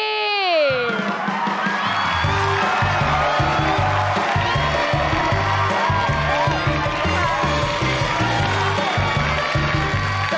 สวัสดีค่ะ